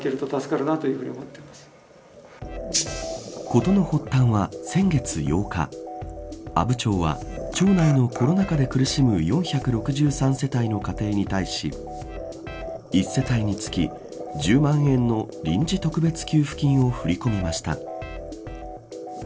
事の発端は先月８日阿武町は町内のコロナ禍で苦しむ４６３世帯の家庭に対し１世帯につき１０万円の臨時特別給付金を振り込みました。